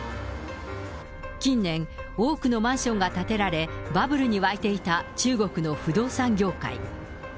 近年、多くのマンションが建てられバブルに沸いていた中国の不動産業界。